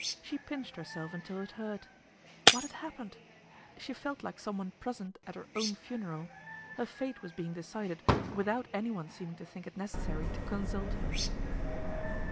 She pinched herself until it hurt. What had happened ? She felt like some one present at her own funeral. Her fate was being decided without anyone seeming to think it necessary to consult her.